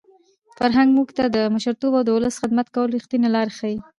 فرهنګ موږ ته د مشرتوب او د ولس د خدمت کولو رښتینې لارې ښيي.